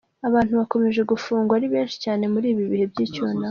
Abantu bakomeje gufungwa ari benshi cyane muri ibi bihe by’icyunamo